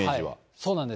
そうなんです。